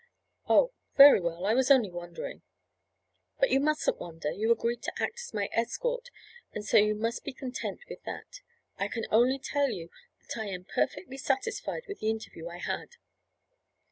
"Oh, very well. I was only wondering—" "But you mustn't wonder. You agreed to act as my escort and so you must be content with that. I can only tell you that I am perfectly satisfied with the interview I had."